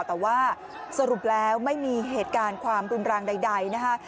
แต่ว่าสรุปแล้วไม่มีเหตุการณ์ความรุนแรงใดนะคะ